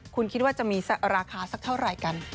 คุณคิดว่าจะมีราคาสักเท่าไหร่กัน